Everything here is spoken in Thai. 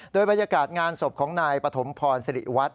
โดยบรรยากาศงานศพของนายปฐมพรสิริวัฒน